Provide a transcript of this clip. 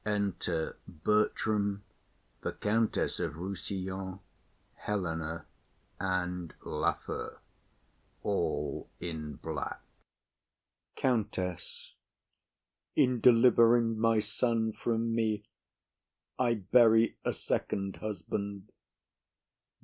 Enter Bertram, the Countess of Rossillon, Helena, and Lafew, all in black. COUNTESS. In delivering my son from me, I bury a second husband.